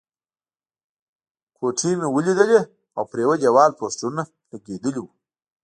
کوټې مې ولیدلې او پر یوه دېوال پوسټرونه لګېدلي وو.